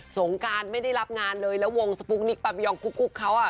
งการไม่ได้รับงานเลยแล้ววงสปุ๊กนิกปาบิยองกุ๊กเขาอ่ะ